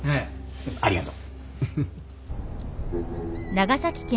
ありがとう。